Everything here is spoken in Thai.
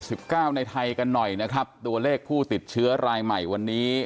สิบเก้าในไทยกันหน่อยนะครับตัวเลขผู้ติดเชื้อรายใหม่วันนี้